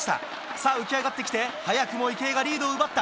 さあ、浮き上がってきて早くも池江がリードを奪った。